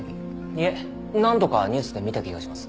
いえ何度かニュースで見た気がします。